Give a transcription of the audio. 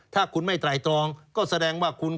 ถ้าคุณไม่ไตรอง